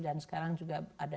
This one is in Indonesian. dan sekarang juga ada dana desa